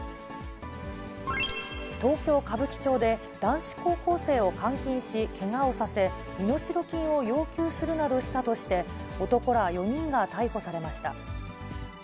東京・歌舞伎町で、男子高校生を監禁し、けがをさせ、身代金を要求するなどしたとして、男ら４人が逮捕されました。